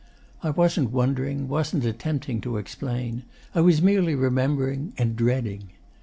I wasn't wondering, wasn't attempting to explain; I was merely remembering and dreading.